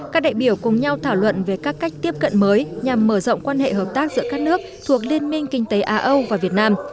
các đại biểu cùng nhau thảo luận về các cách tiếp cận mới nhằm mở rộng quan hệ hợp tác giữa các nước thuộc liên minh kinh tế á âu và việt nam